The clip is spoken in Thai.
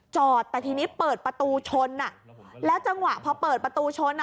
จอดแต่ทีนี้เปิดประตูชนอ่ะแล้วจังหวะพอเปิดประตูชนอ่ะ